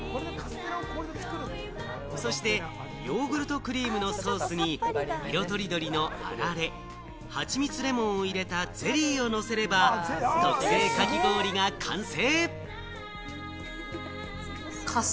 そしてヨーグルトクリームのソースに色とりどりのあられ、はちみつレモンを入れたゼリーをのせれば、特製かき氷が完成！